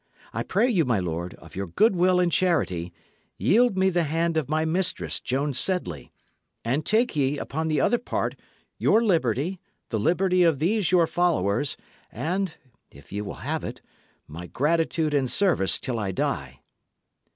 I pray you, my lord, of your goodwill and charity, yield me the hand of my mistress, Joan Sedley; and take ye, upon the other part, your liberty, the liberty of these your followers, and (if ye will have it) my gratitude and service till I die."